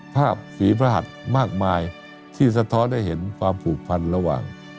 ภาพฝีพระหัสมากมายที่สะท้อนให้เห็นความผูกพันระหว่าง